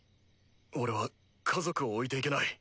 俺は家族を置いていけない。